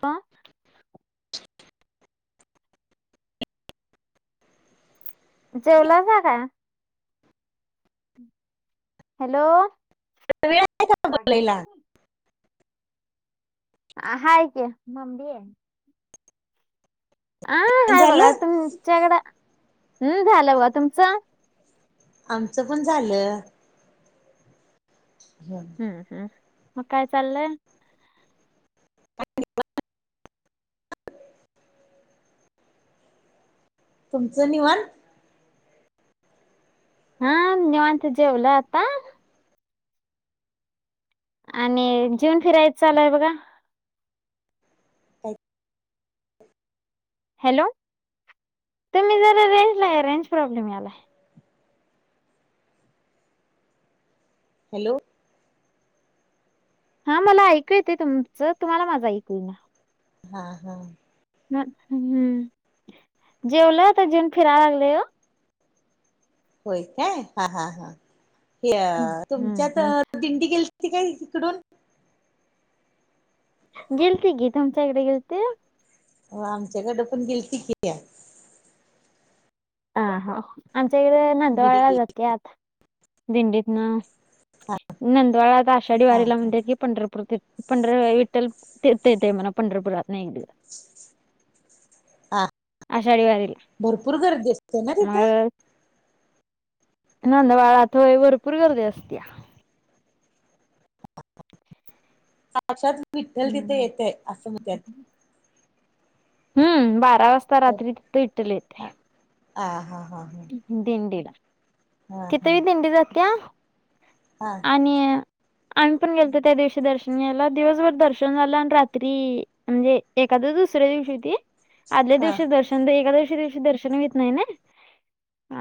का? जेवलासा काय? हॅलो सगळं येतंय काय पण जागी आहे बोलायला? तुम्ही? हाय की, [inaudible] आ हाय बघा झालं तुमच्याकडं, हम्म झालं बघा तुमचं? आमचं पण झालं. झालं हम्म हम्म मग काय चाललय? [unintelligible] तुमचं निवांत? हा निवांत, जेवलो आता. आणि जेऊन फिरायच चालु हाय बघा. काय हॅलो, तुम्ही जरा रेंजला या रेंज प्रॉब्लेम यालाय. हॅलो हा मला ऐकू येतय तुमचं, तुम्हाला माझं ऐकू येईना. हा हा ह हम्म जेवलोय आता, जेऊन फिराय लागलय ओ. व्हय काय, हा हा हा ते अ हम्म तुमच्यात हम्म दिंडी गील ती काय इकडून गेलती की, तुमच्यकडे गेलती? हो, आमच्याकडं पण गिलती की अ अ हा आमच्या इकड दिंडी नांदवाळला गेली जात्यात, दिंडीत न नंदवाळात आषाढी हा वारीला म्हणत्यात की पंढरपूर ते पंढर विठ्ठल ते येते म्हण पंढरपुरातन इकड हा आषाढी वाारीला. भरपूर गर्दी असत्या ना तिथं? नंदवाळात होय, भरपूर गर्दी असत्या. साक्षात विठ्ठल तिथ हम्म येतय असं म्हणत्यात. हम्म, बारा वाजता रात्री तिथं विठ्ठल येतंय. अ हा हा हा हा. दिंडीला, तिथं हा ही दिंडी जात्या हा आणि आम्ही पण गेलतो त्या दिवशी दर्शन घ्यायला दिवसभर दर्शन झालं आणि रात्री म्हणजे, एकादस दुसऱ्या दिवशी होती. आदल्या हा दिवशी दर्शन, एकादशी दिवशी दर्शन हुईत नाही नय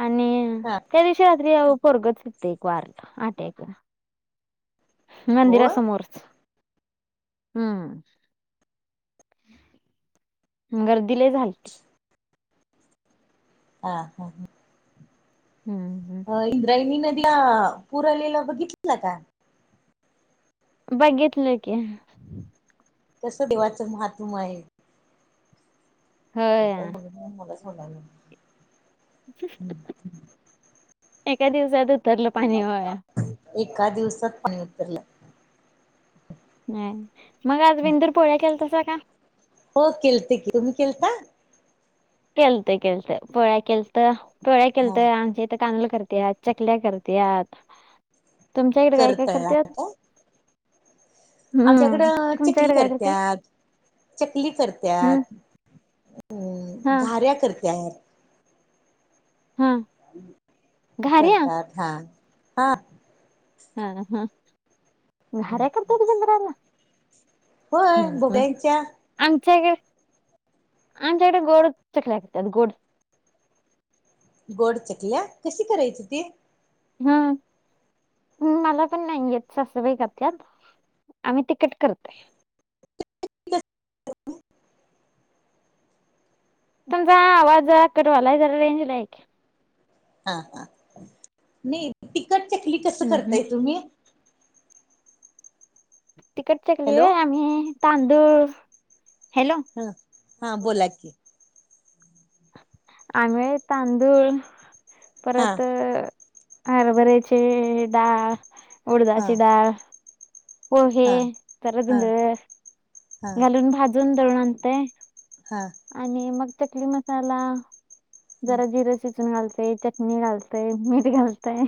आणि हा त्या दिवशी रात्री आ ओ पोरगच हुत एक वारल अटॅकन मंदिरा होय समोरच, हम्म गर्दी लय झालती ह हा हा हम्म अ इंद्रायणी नदीला पूर आलेला बघितल का? बघितलं की तस देवाचं महात्म आहे. होय कट बघ मला सलाग ह [inaudible] एका दिवसात उतरलं पाणी होय एका दिवसात पाणी उतरलं. नाही मग आज बंदुर पोळ्या केला तसा का. हो केलते की तुम्ही केलता. केळतं केळतं पोळ्या केलंत पोळ्या केलत हा आमच्या इथ कांनुल करत्यात. चकल्या करत्यात, तुमच्याकडे काय काय करताय करतात. आमच्याकडं चकली तुमच्याकडे काय करत्यात चकली हम्म करत्यात. अ हा घऱ्या करतात. हा घाऱ्या करलतात हा हा. हा हा घार्या करतात बेंद्रात. होय होम ह भोपळ्यांच्या आमच्या इकडे आमच्या इकडे गोड चकलेतात गोड. गोड चकल्या कशी करायची ती. हम्म मला पण नाही येत सासबाईकातल्यात आम्ही तिकट करतोय. तुमचा आवाज कटवालाय जरा रेंज ला आहे. हा हा नाही तिकटच्या खली कसं हं हं करताय तुम्ही. तिकट चकली हॅलो होय आम्ही तांदुळ हा हा बोला की. आम्ही होय तांदूळ हा परत, हरबरेचे डाळ हा उडदाची डाळ. पोहे, हा जरा हा जुंधळ हा घालून भाजुन दळुन आणतोय. हा आणि मग चकली मसाला, जरा जिरे चिचून घालतय, चटणी घालतय, मीठ घालतय.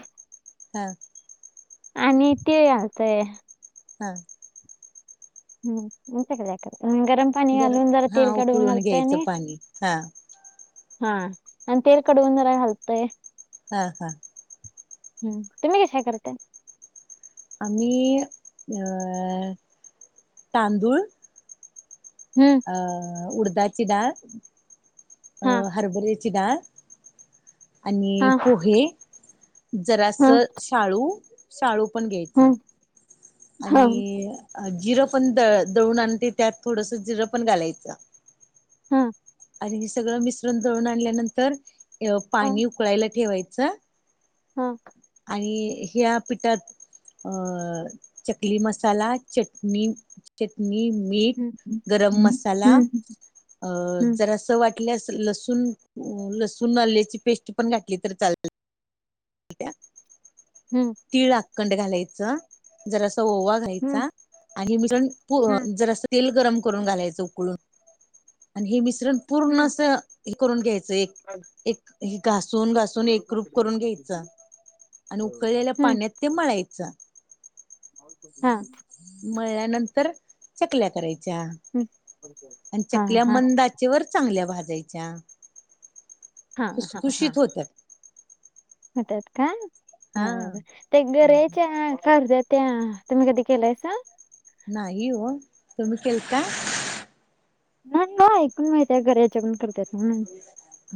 हा [unintelligible] आणि तीळ घलतय एक हा [unintelligible] गरम पाणी गरम घालून हा तेल कळवून उकळून घालतो घ्यायचं आणि पाणी हा हा अन तेल कढवुन जरा घालतय. हा हा हम्म तुम्ही कशा करतात. आम्ही अ तांदूळ हम्म अ उडदाची डाळ अ हा हरभर्याची डाळ, आणि हा हा पोहे, जरास हा शाळू शाळू पण घे. हा आणि जिरं पण द दळून आणते त्यात थोडस जिरं पण घालायचं. हा आणि हे सगळं मिश्रण दळून आणल्यानंतर हा पाणी उकळायला ठेवायचं. हा आणि ह्या पिठात अ चकली मसाला, चटणी चटणी, मीठ, हम्म गरम हम्म मसाला, हम्म अ हम्म जरास वाट ल्यास लसूण, लसूण आल्याची पेस्ट पण घातली तर चाल त्या. हम्म. तीळ आखंड घालायचं. जरसं ओवा हम्म घालायचा. आणि मिश्रण हम्म जरासं तेल गरम करून घालायचं उकळून. आणि हे मिश्रण पूर्ण हम्म अस हे करून घ्यायचं. एक एक घासून घासून एकरूप करून घ्यायच. आणि उ कळलेल्या हम्म पाण्यात ते मळायच. हा मळल्यानंतर चकल्या करायच्या. हम्म, हा चकल्या हा मंद आचे चे्वर चांगल्या भाजायच्या. हा हा हा खुसखुशीत होत्यात. [unintelligible] त्या हा तुम्ही कधी केलंयसा? नाही ओ. तुम्ही केलता? नाही हो ऐकून माहितीये गऱ्याच्या पण करतात म्हणून.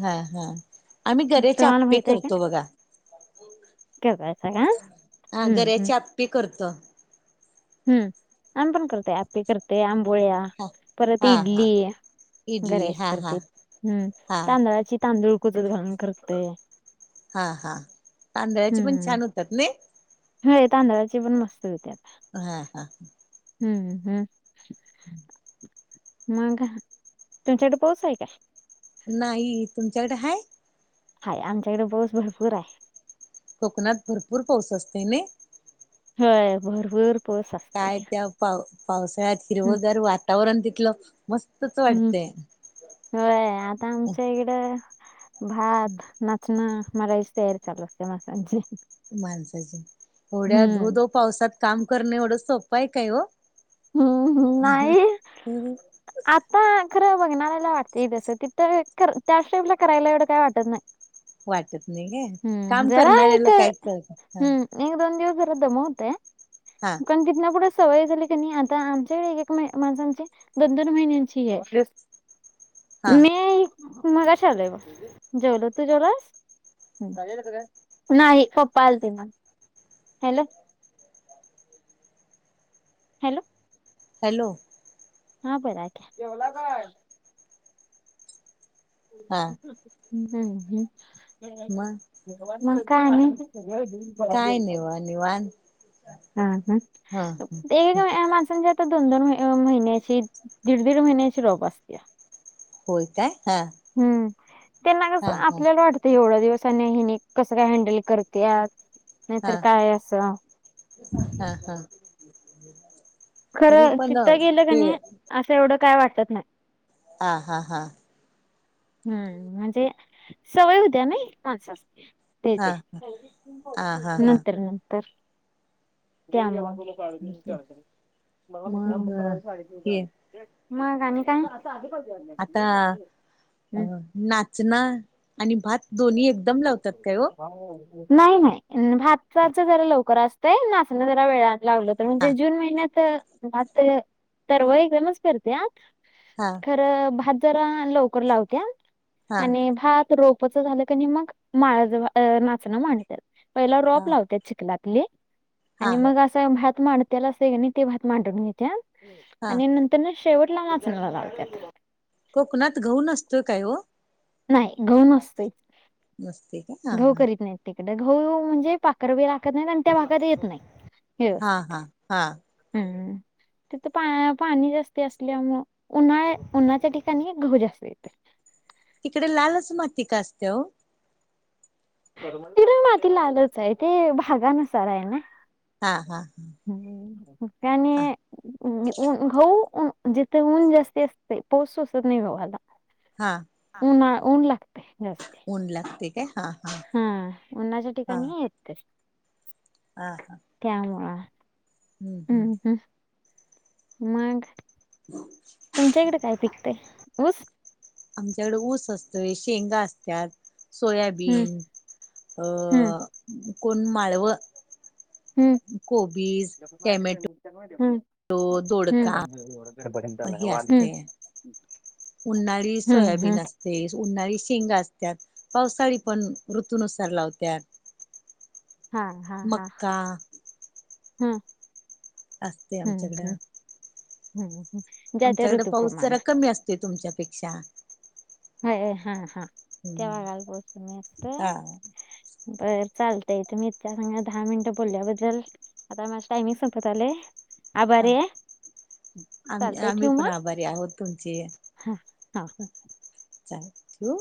हा हा. आम्ही गऱ्याचे तुम्हाला आप्पे माहित आहे का करतो बघा. करतायसा का? हा हं, गऱ्याची आप्पी करतो. हम्म आम्ही पण करतोय. आप्पे करतोय, आंबोळ्या. हा परत हा हा इडली. इडली गऱ्याच हा हा करते. हम्म हा तांदळाची तांदूळ कुचत घालून करतय. हा हा तांदळाचे पण हं. छान होतात नाही. होय तांदळाची पण मस्त होत्यात. हा हा. हम्म हम्म. [inaudible] मग तुमच्याकडे पाऊस हाय काय? नाही. तुमच्याकडे हाय? हाय आमच्याकड पाऊस भरपूर हाय. कोकणात भरपूर पाऊस असतोय नाई. होय भरपूर. पाऊस काय असतोय. त्या पाव पावसाळ्यात हं, हिरवगार वातावरण तिथलं. मस्तच हं. वाटतंय. होय आता आमच्या इकड भात, ना ना मलायची तयारीचालू असते माणसांची. माणसाची एवढ्या हं. धोधो पावसात काम करणे एवढं सोपंय काय हो. हम्म हम्म नाही. आता खरं बघनाऱ्याला वाटतंय तसं. तिथं खर त्या स्टेपला करायला एवढं काय वाटत नाय. वाटत नाही. काम जरा करणाऱ्याला काय कळत असणार. एक दोन दिवस जरा दम होतय. हा पण तिथन पुढे सवय झाली नाही आता आमच्याक एक एक मा माणसांची दोन दोन महिन्यांचीये. हा मी मगाशी आलोय बा. जेवलो. तू जेवलास? नाही पप्पा आलते म. हॅलो. हॅलो. हॅलो. हा बरा आहे की जेवला काय? हा हम्म हम्म मग मग काय आणि? काय निवा निवान हां हां हा हा एक मे माणसानी जात तर दोन दोन मही अ महिन्याची दीड दीड महिन्याची रॉप असत्या. होय काय हा. हम्म त्यांना कसं हा हा आपल्याला वाट ते एवढं दिवसानी हिनी कसं काय हँडल करत्या नाहीतर हा काय असं हा हा. तरी खरं पण तिथं गेलं क ते नी असं एवढं काय वाटत नाय. आ हा हां. हम्म म्हणजे सवय होत्या नाही माणसाचे. हा त्याचे हा हा हा नंतर नंतर ते. [unintelligible] हम्म मग हे मग आणि काय? आता [unintelligible] अ हम्म. नाचना आणि भात दोन्ही एकदम लावतात काय हो नाही नाही. भाताचा जरा लवकर असतंय नाचना जरा वेळाला लावलं तर हा म्हणजे जून महिन्यात त भात तर तर वैगनच करत्या. हा. तर भात जरा लवकर लावत्या. हा. ने भात रोपाचा झालं क नी मग माळ जा भा नाचण मांडत्यात. पहिला हा रॉप लावत्या चिखलातली हा आणि मग अस च भात मांडतेला की नी ते भात मांडून घेत्या हा आणि नं त्यांना शेवटला नाचणाल्या लावत्यात. कोकणात गहूं नसतोय काय हो? नाय गहूं नसतोय. नसते का. हा गहूं हा करीत नाहीत तिकडं गहूं म्हणजे पाखरवी राखत नाहीत आणि त्या भागात येत नाही. हा व्यवस्थित हा हा हम्म. तिथं पा पाणी जास्त असल्यामु उन्हाळय उन्हाच्या ठिकाणी गहूं जास्त येते. तिकडे लालच माती का असते हो? तिकडे माती लालच आहे ते भागानुसार आहे ना. हा हा हा. [inaudible] त्याने ऊ ऊ गहूं ऊन जिथे ऊन जास्ती असते पाऊस सोचत नाही गव्हाला. हा. ऊना ऊन लागते जास्ती. ऊन लागते. काय हा हा. हा उन्हाच्या ठिकाणी येते. आ हा. त्यामुळा हा हम्म हम्म हा. मग ह तुमच्या इकडे काय पिकतंय ऊस? आमच्याकडे ऊस असतोय, शेंगा असत्यात. हम्म सोयाबीन अ हम्म कोण माळवं कोबीज, टॅमॅटो हं हं दोडका हे असते [unintelligible] हं. हं हं. ते उन्हाळी शेंगा असत्यात, पावसाळी पण ऋतूनुसार लावत्यात. हा मक्का हं. असते आमच्याकडं. [unintelligible] आमच्याकडं पाऊस जरा कमी असतोय तुमच्यापेक्षा. हाय हां हां, तेव्हा गालबोचणी हा. [unintelligible] बरं चालतंय, तुम्ही इतकं संग दहा मिनिटं बोलल्याबद्दल आता माझं टायमिंग संपत आलंय आभारी आहे. आम चालतंय ठेवू आम्हीपण मग आभारी आहोत तुमचे. हा हा चालेल ठेवू?